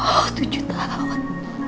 oh tujuh tahun